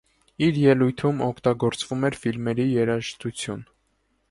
Իր ելույթում օգտագործվում էր ֆիլմերի երաժշտություն։